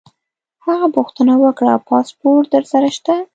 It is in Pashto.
هغه پوښتنه وکړه: پاسپورټ در سره شته؟